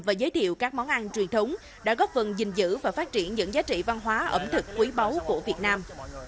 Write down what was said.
và giới thiệu các món ăn truyền thống đã góp phần gìn giữ và phát triển những giá trị văn hóa ẩm thực quý báu của việt nam